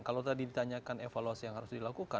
kalau tadi ditanyakan evaluasi yang harus dilakukan